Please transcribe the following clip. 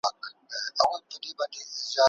خو ته دې مور لټوې